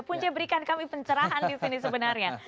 punca berikan kami pencerahan disini sebenarnya